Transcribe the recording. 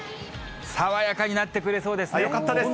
爽やかになってくれそうですよかったです。